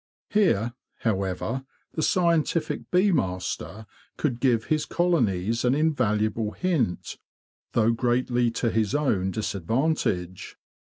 Here, however, the scientific bee master could give his colonies an invaluable hint, though greatly to his own dis advantage.